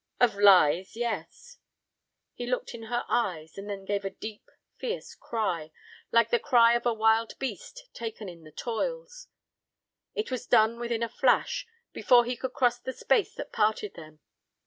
"Of lies—yes." He looked in her eyes, and then gave a deep, fierce cry, like the cry of a wild beast taken in the toils. It was done within a flash, before he could cross the space that parted them.